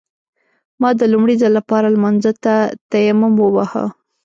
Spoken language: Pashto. ما د لومړي ځل لپاره لمانځه ته تيمم وواهه.